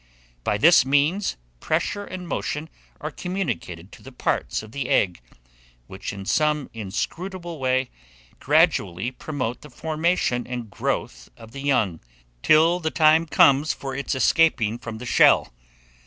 By this means, pressure and motion are communicated to the parts of the egg, which, in some inscrutable way, gradually promote the formation and growth of the young, till the time comes for its escaping from the shell.